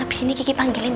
abis ini kiki panggilin ya